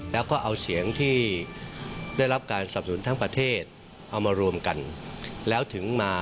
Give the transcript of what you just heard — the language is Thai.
แล้วก็เอาเสียงที่ได้รับการสรรคสมุนทั้งประเทศได้มารวมกัน